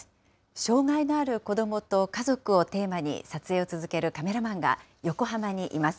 障害のある子どもと家族をテーマに撮影を続けるカメラマンが横浜にいます。